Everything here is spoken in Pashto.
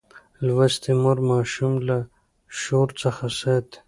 لوستې مور ماشوم له شور څخه ساتي.